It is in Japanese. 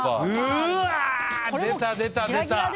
うわ出た出た出た。